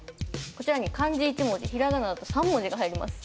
こちらに漢字１文字ひらがなだと３文字が入ります。